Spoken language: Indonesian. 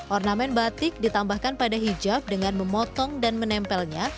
ornamen batik ditambahkan pada hijab dengan memotong dan menempelnya